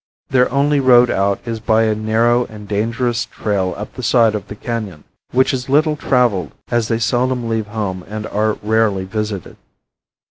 Their only road out is by a narrow and dangerous trail up the side of the canon, which is little traveled as they seldom leave home and are rarely visited.